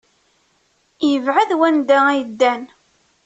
Yebɛed wanda ay ddan.